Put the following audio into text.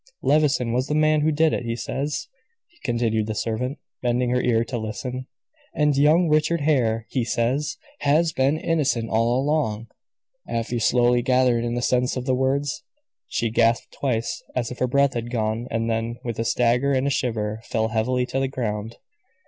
"Levison was the man who did it, he says," continued the servant, bending her ear to listen. "And young Richard Hare, he says, has been innocent all along." Afy slowly gathered in the sense of the words. She gasped twice, as if her breath had gone, and then, with a stagger and a shiver, fell heavily to the ground.